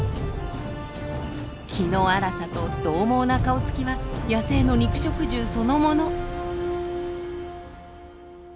気の荒さとどう猛な顔つきは野生の肉食獣そのもの。